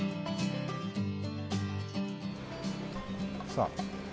さあ。